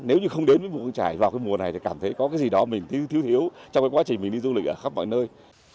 nếu như không đến với mù căng trải vào mùa này thì cảm thấy có gì đó mình thiếu thiếu trong quá trình mình đi du lịch ở khắp mọi nơi